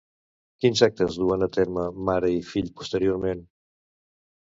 Quins actes duen a terme mare i fill posteriorment?